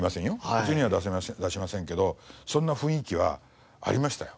口には出しませんけどそんな雰囲気はありましたよ。